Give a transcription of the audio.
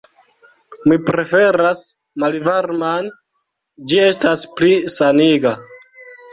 Mi preferas malvarman; ĝi estas pli saniga.